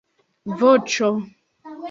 voĉo